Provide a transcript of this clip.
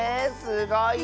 すごい！